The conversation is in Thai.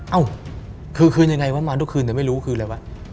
เอ้าคือคืนยังไงวะ